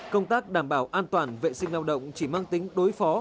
công tác đảm bảo an toàn vệ sinh lao động chỉ mang tính đối phó